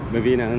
để tôn trọng nhau